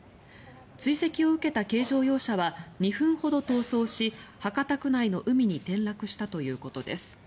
追跡を受けた軽乗用車は２分ほど逃走し博多区内の海に転落したということです。